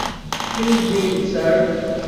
Please দিন, sir.